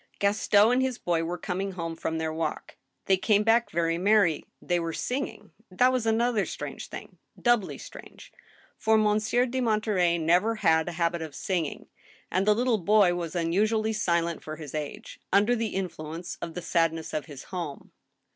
Gaston and his boy were coming home from their walk. They came back very merry; they were singing. That was another strange thing — doubly strange — for Monsieur de Monterey never had a habit of singing, and the little boy was unusually silent for his age, under the influence of the sadness of his home.